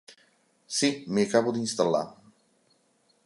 Sí, m'hi acabo d'instal·lar.